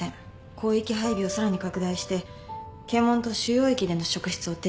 広域配備をさらに拡大して検問と主要駅での職質を徹底しています。